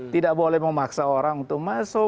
tidak boleh memaksa orang untuk masuk